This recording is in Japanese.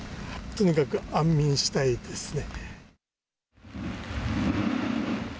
とにかく安眠したいですね。